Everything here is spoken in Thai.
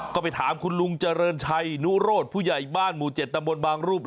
ก็ไปถามคุณลุงเจริญชัยนุโรธผู้ใหญ่บ้านหมู่๗ตำบลบางรูป